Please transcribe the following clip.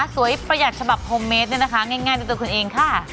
สวยประหยัดฉบับโคมเมตน์ก็อย่างง่ายนะค่ะ